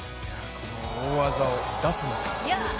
この大技を出すのか。